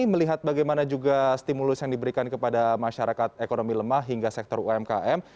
melihat bagaimana juga stimulus yang diberikan kepada masyarakat ekonomi lemah hingga sektor umkm